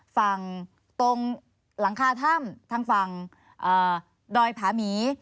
ฝั่งตรงหลังคาถ้ำทางฝั่งดอยผาหมี